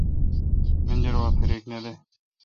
منجر وا فیرک نہ دے۔